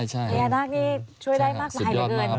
นี่ช่วยได้มากมายเยอะเยอะ